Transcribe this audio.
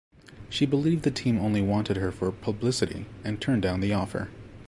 She believed the team only wanted her for publicity and turned down the offer.